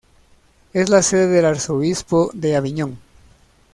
Es la sede del arzobispo de Aviñón.